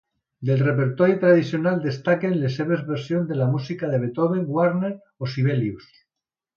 Del repertori tradicional destaquen les seves versions de la música de Beethoven, Wagner o Sibelius.